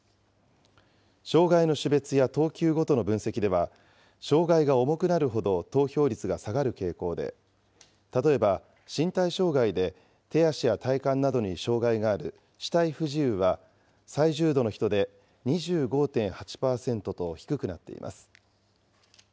障害の種別や等級ごとの分析では、障害が重くなるほど投票率が下がる傾向で、例えば身体障害で手足や体幹などに障害がある肢体不自由は、最重度の人で２５．８％と低くなっています。